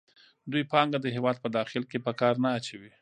دوی پانګه د هېواد په داخل کې په کار نه اچوي